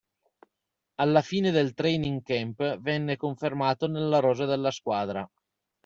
Alla fine del training camp venne confermato nella rosa della squadra.